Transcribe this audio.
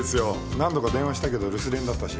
何度か電話したけど留守電だったし。